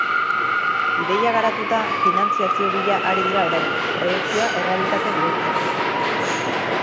Ideia garatuta, finantziazio bila ari dira orain, proiektua errealitate bihurtzeko.